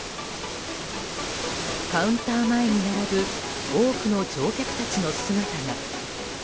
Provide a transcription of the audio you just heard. カウンター前に並ぶ多くの乗客たちの姿が。